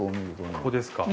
ここですか？